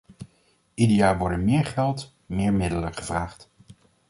Ieder jaar worden meer geld, meer middelen gevraagd.